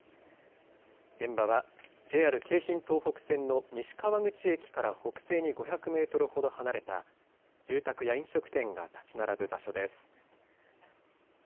現場はＪＲ京浜東北線の西川口駅から北西に５００メートルほど離れた住宅や飲食店が立ち並ぶ場所です。